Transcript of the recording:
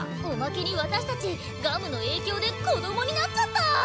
おまけに私たちガムの影響で子どもになっちゃった！